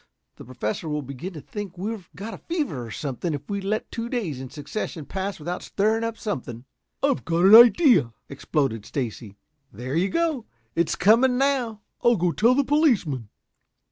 The Professor will begin to think we've got a fever, or something, if we let two days in succession pass without stirring up something." "I've got an idea," exploded Stacy. "There you go. It's coming now." "I'll go tell the policeman."